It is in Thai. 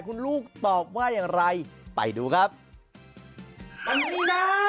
หนูค่อยมานอนกับพ่อกับพี่